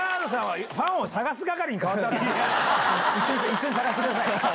「一緒に探してください」。